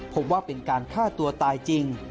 พบว่าเป็นการฆ่าตัวตายจริง